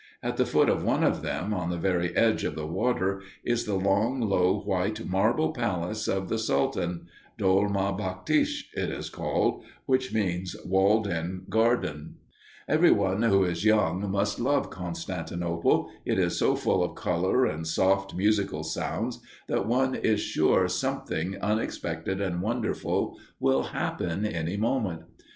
At the foot of one of them, on the very edge of the water, is the long low white marble palace of the sultan Dolmah Bagtché it is called, which means "walled in garden." Everybody who is young must love Constantinople. It is so full of color and soft musical sounds that one is sure something unexpected and wonderful will happen any moment.